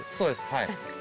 はい。